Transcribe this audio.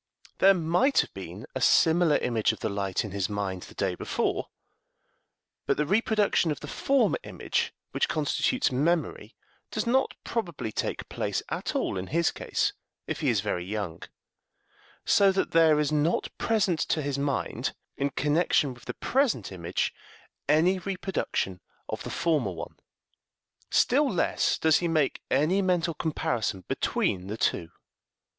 There might have been a similar image of the light in his mind the day before, but the reproduction of the former image which constitutes memory does not probably take place at all in his case if he is very young, so that there is not present to his mind, in connection with the present image, any reproduction of the former one. Still less does he make any mental comparison between the two.